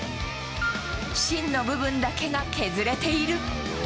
芯の部分だけが削れている。